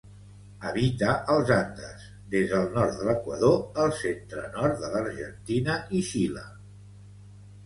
Habita als Andes, des del nord de l'Equador al centre-nord de l'Argentina i Xile.